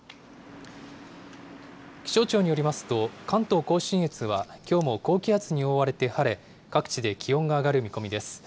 気象庁によりますと、関東甲信越はきょうも高気圧に覆われて晴れ、各地で気温が上がる見込みです。